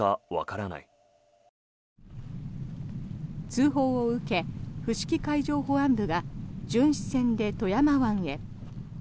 通報を受け、伏木海上保安部が巡視船で富山湾へ。